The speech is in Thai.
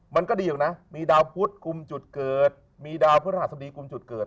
มันก็ดีอยู่นะมีดาวพุทธกลุ่มจุดเกิดมีดาวพฤหัสดีกุมจุดเกิด